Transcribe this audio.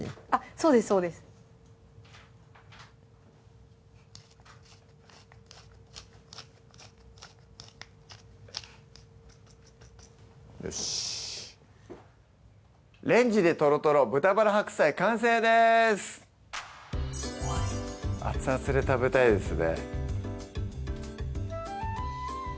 そうですそうですよしっ「レンジでとろとろ豚バラ白菜」完成です熱々で食べたいですね